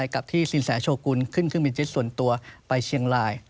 กับที่สินสาชกุลขึ้นมิจิตส่วนตัวไปเชียงราย